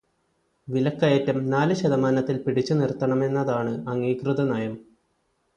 വിലക്കയറ്റം നാല് ശതമാനത്തിൽ പിടിച്ചുനിർത്തണമെന്നതാണ് അംഗീകൃതനയം.